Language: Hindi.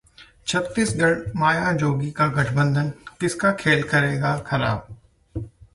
छत्तीसगढ़ः माया-जोगी का गठबंधन किसका खेल करेगा खराब